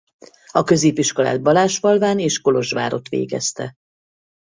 A középiskolát Balázsfalván és Kolozsvárott végezte.